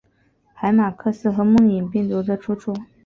海马克斯和梦魇病毒的出处！